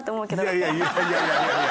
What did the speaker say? いやいやいやいや。